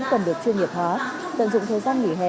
tâm lý học đường vẫn đang làm bằng